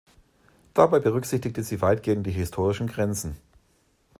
Dabei berücksichtigte sie weitgehend die historischen Grenzen.